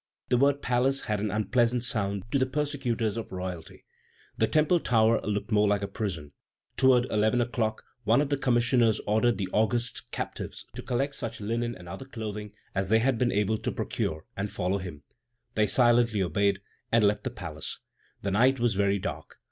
The word palace had an unpleasant sound to the persecutors of royalty. The Temple tower looked more like a prison. Toward eleven o'clock, one of the commissioners ordered the august captives to collect such linen and other clothing as they had been able to procure, and follow him. They silently obeyed, and left the palace. The night was very dark.